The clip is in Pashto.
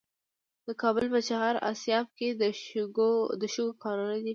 د کابل په چهار اسیاب کې د شګو کانونه دي.